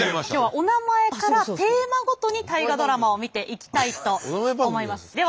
今日はおなまえからテーマごとに「大河ドラマ」を見ていきたいと思います。